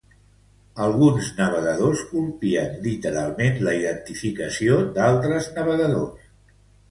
Alguns navegadors colpien literalment la identificació d'altres navegadors.